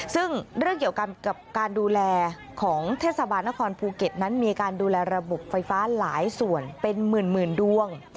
ซึ่งเรื่องเกี่ยวกับการดูแลของเทศบาลนครภูเก็ตนั้นมีการดูแลระบบไฟฟ้าหลายส่วนเป็นหมื่นดวง